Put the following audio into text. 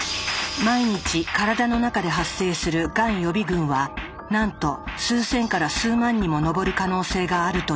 毎日からだの中で発生するがん予備群はなんと数千から数万にも上る可能性があるという。